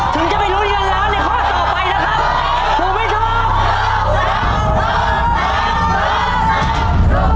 ถึงจะไปรุ้นกันร้านในข้อต่อไปนะครับ